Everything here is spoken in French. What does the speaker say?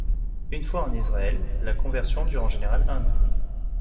Une fois en Israël, la conversion dure en général un an.